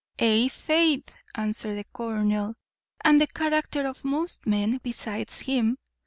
"Ay, faith," answered the colonel, "and the character of most men besides him.